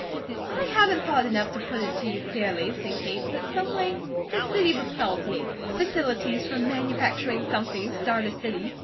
"I haven't thought enough to put it to you clearly," said Kate, "but someway the city repels me. Facilities for manufacturing something start a city.